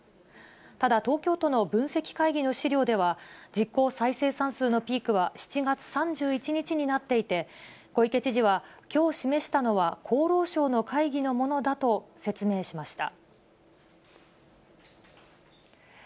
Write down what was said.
ただ、東京都の分析会議の資料では、実効再生産数のピークは７月３１日になっていて、小池知事は、きょう示したのは厚労省の会議のものだと説明しました。